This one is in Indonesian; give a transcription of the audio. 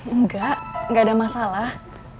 enggak gak ada masalah